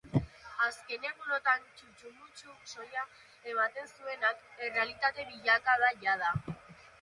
Azken egunotan txutxumutxu soila ematen zuenak, errealitate bilakatu da jada.